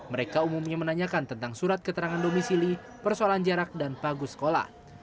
mereka umumnya menanyakan tentang surat keterangan domisili persoalan jarak dan pagu sekolah